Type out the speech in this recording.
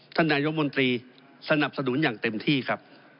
ท่านนายกมนตรีสนับสนุนอย่างเต็มที่ครับ